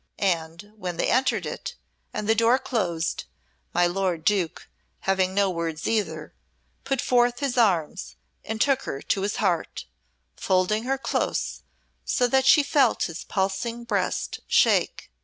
And when they entered it, and the door closed, my lord Duke, having no words either, put forth his arms and took her to his heart, folding her close so that she felt his pulsing breast shake.